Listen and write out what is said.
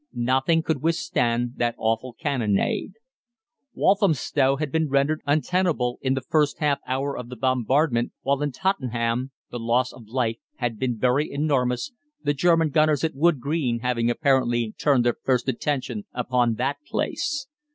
Nothing could withstand that awful cannonade. Walthamstow had been rendered untenable in the first half hour of the bombardment, while in Tottenham the loss of life had been very enormous, the German gunners at Wood Green having apparently turned their first attention upon that place.